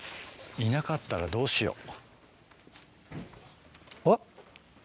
いなかったらどうしよう。